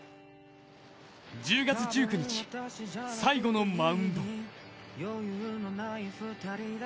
１０月１９日、最後のマウンド。